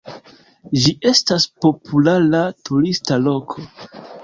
Ĝi estas populara turista loko.